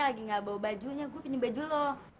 serius gue lagi gak bawa bajunya gue pinjam baju lo